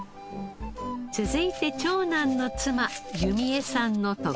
続いて長男の妻弓恵さんの得意料理。